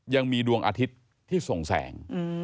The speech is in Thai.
ยังมีดวงอาทิตย์ที่ส่งแสง